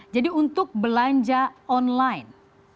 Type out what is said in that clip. jadi untuk belanja online